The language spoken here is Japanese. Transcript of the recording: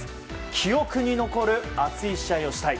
記憶に残る熱い試合をしたい。